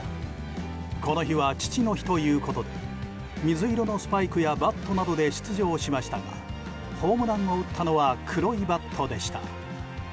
この日は父の日ということで水色のスパイクやバットなどで出場しましたがホームランを打ったのは黒いバットでした。